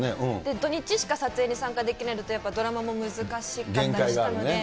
土日しか撮影に参加できないとやっぱドラマも難しかったりし限界があるね。